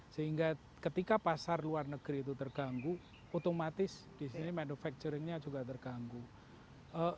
sehingga ketika pasar luar negeri terganggu otomatis ello manufacturing nya jadi arria